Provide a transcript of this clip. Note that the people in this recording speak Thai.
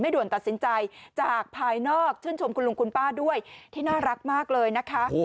ด่วนตัดสินใจจากภายนอกชื่นชมคุณลุงคุณป้าด้วยที่น่ารักมากเลยนะคะ